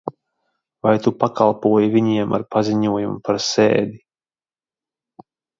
Vai tu pakalpoji viņiem ar paziņojumu par sēdi?